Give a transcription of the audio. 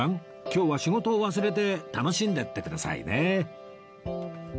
今日は仕事を忘れて楽しんでいってくださいね